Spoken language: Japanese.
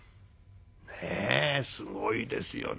ねえすごいですよね。